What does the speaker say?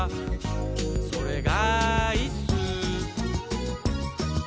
「それがいっすー」